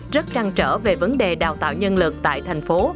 rất chăn trở về vấn đề đào tạo nhân lực tại thành phố